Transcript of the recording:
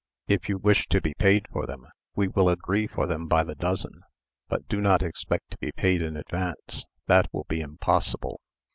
If you wish to be paid for them, we will agree for them by the dozen; but do not expect to be paid in advance; that will be impossible.